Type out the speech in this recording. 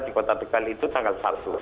di kota bekal itu tanggal satu